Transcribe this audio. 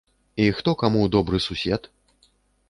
І хто каму добры сусед?